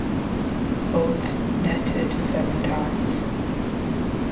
Both netted seven times.